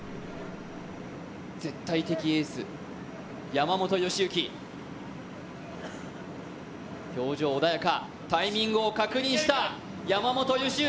絶対的エース、山本良幸表情穏やかタイミングを確認した山本良幸。